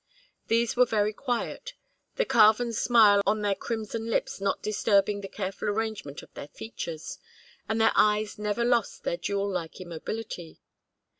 These were very quiet, the carven smile on their crimson lips not disturbing the careful arrangement of their features; and their eyes never lost their jewel like immobility.